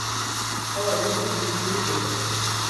Alair Muniz de Oliveira